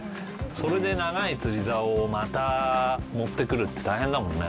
それで長い釣竿をまた持ってくるって大変だもんね